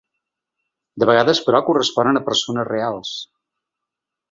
De vegades, però, corresponen a persones reals.